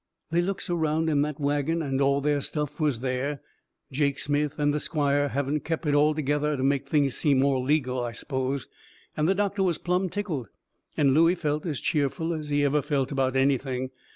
They looks around in that wagon, and all their stuff was there Jake Smith and the squire having kep' it all together careful to make things seem more legal, I suppose and the doctor was plumb tickled, and Looey felt as cheerful as he ever felt about anything.